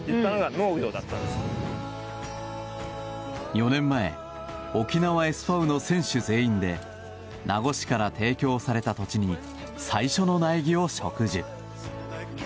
４年前、沖縄ＳＶの選手全員で名護市から提供された土地に最初の苗木を植樹。